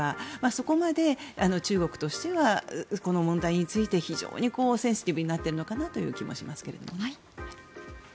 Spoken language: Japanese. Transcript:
そこまで中国としてはこの問題について非常にセンシティブになっているのかなという気もしますけどね。